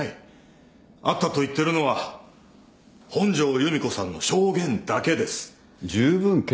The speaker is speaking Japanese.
あったと言っているのは本庄由美子さんの証言だけです。